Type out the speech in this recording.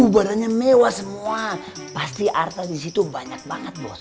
badannya mewah semua pasti harta disitu banyak banget bos